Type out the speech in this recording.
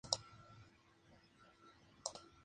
Los nazarenos de los tramos de Ntra.